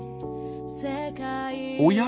おや？